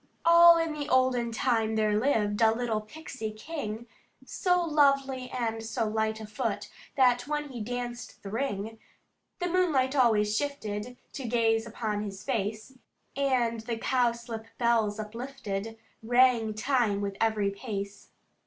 "All in the olden time, there lived A little Pixie king, So lovely and so light of foot That when he danced the ring, The moonlight always shifted, to gaze upon his face, And the cowslip bells uplifted, rang time with every pace.